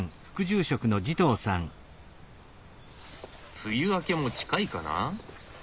梅雨明けも近いかな？